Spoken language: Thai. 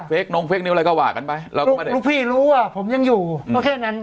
เฟคน้องเฟคนิ้วอะไรก็หว่ากันไปลูกพี่รู้ว่าผมยังอยู่แล้วแค่นั้น